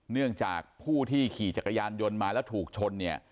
เนื่องจากผู้ที่ขี่จักรยานยนต์มาแล้วถูกชนเนี่ย